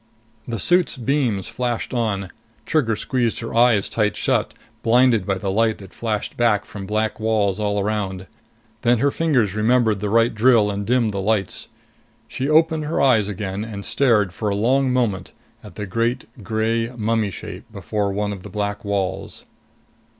The suit's beams flashed on. Trigger squeezed her eyes tight shut, blinded by the light that flashed back from black walls all around. Then her fingers remembered the right drill and dimmed the lights. She opened her eyes again and stared for a long moment at the great gray mummy shape before one of the black walls.